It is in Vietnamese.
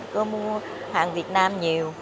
có mua hàng việt nam nhiều